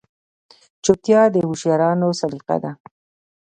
چوپتیا، د هوښیارانو سلیقه ده.